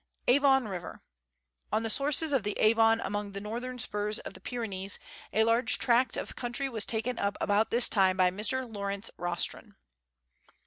Avon River. On the sources of the Avon, among the northern spurs of the Pyrenees, a large tract of country was taken up about this time by Mr. Laurence Rostron.